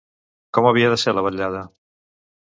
Com havia de ser la vetllada?